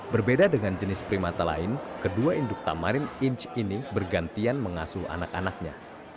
berbeda dengan jenis primata lain kedua induk tamarin inch ini bergantian mengasuh anak anaknya